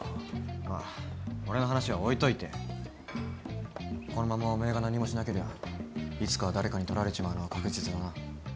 まあ俺の話は置いといてこのままおめえが何もしなけりゃいつかは誰かに取られちまうのは確実だな。